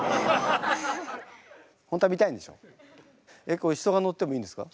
えっこれ人が乗ってもいいんですか？